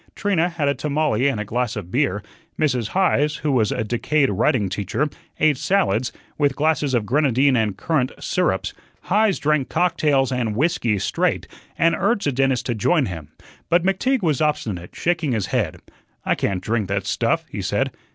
Trina had a tamale and a glass of beer, Mrs. Heise (who was a decayed writing teacher) ate salads, with glasses of grenadine and currant syrups. Heise drank cocktails and whiskey straight, and urged the dentist to join him. But McTeague was obstinate, shaking his head. "I can't drink that stuff," he said.